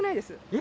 え？